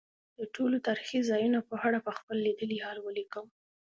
د ټولو تاریخي ځایونو په اړه به خپل لیدلی حال ولیکم.